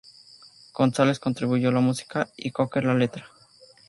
Gonzales contribuyó la música y Cocker la letra.